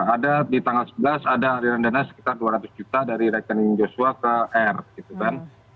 ada di tanggal sebelas ada aliran dana sekitar dua ratus juta dari rekening joshua ke r gitu kan